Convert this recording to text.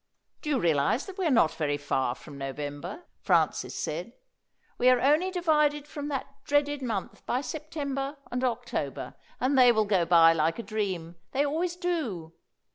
"Do you realise that we are not very far from November?" Francis said. "We are only divided from that dreaded month by September and October. And they will go by like a dream; they always do.